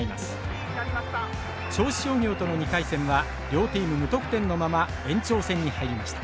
銚子商業との２回戦は両チーム無得点のまま延長戦に入りました。